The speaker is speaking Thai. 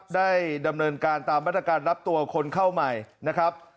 ได้ดำเนินการตามมาตรการรับตัวคนเข้าใหม่นะครับ